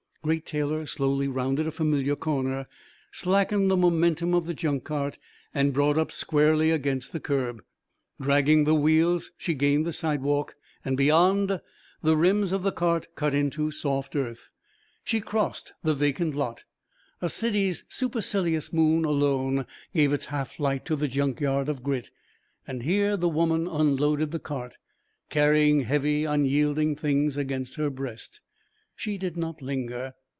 Great Taylor slowly rounded a familiar corner, slackened the momentum of the junk cart, and brought up squarely against the curb. Dragging the wheels, she gained the sidewalk and, beyond, the rims of the cart cut into soft earth. She crossed the vacant lot. A city's supercilious moon alone gave its half light to the junkyard of Grit and here the woman unloaded the cart, carrying heavy unyielding things against her breast. She did not linger.